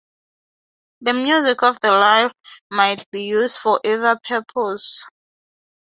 The music of the lyre might be used for either purpose.